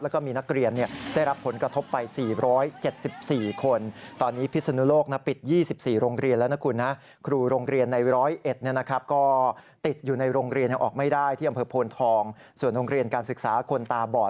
แล้วก็มีนักเรียนได้รับผลกระทบไป๔๗๔คน